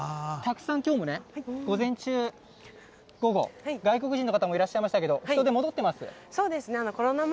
たくさんきょうも午前中、午後、外国人の方もいらっしゃいましたけれども、人足戻ってます？